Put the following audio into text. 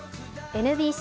ＮＢＣ